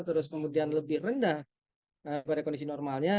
terus kemudian lebih rendah pada kondisi normalnya